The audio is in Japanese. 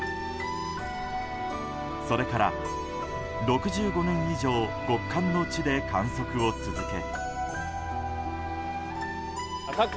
それから６５年以上極寒の地で観測を続け。